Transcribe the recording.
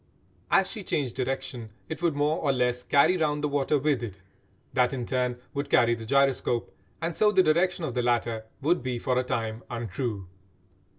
As she changed direction it would more or less carry round the water with it; that in turn would carry the gyroscope, and so the direction of the latter would be for a time untrue.